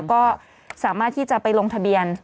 ก็สามารถที่จะไปลงทะเบียน